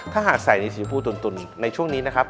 ถ้าหากใส่ในสีฟูตุลในช่วงนี้นะครับ